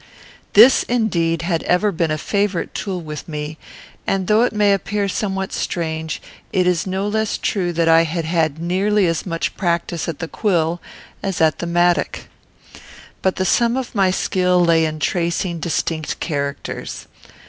This, indeed, had ever been a favourite tool with me; and, though it may appear somewhat strange, it is no less true that I had had nearly as much practice at the quill as at the mattock. But the sum of my skill lay in tracing distinct characters.